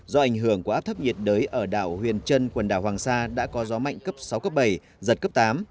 do ảnh hưởng của áp thấp nhiệt đới ở đảo huyền trân quần đảo hoàng sa đã có gió mạnh cấp sáu cấp bảy giật cấp tám